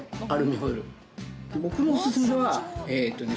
僕のお薦めはえーっとね